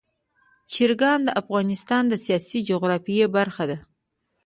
چرګان د افغانستان د سیاسي جغرافیه برخه ده.